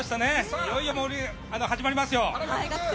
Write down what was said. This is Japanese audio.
いよいよ始まりますよ。